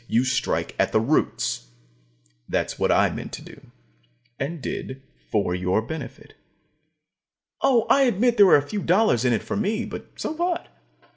You strike at the roots. That's what I meant to do and did for your benefit. Oh, I admit there were a few dollars in it for me, but so what?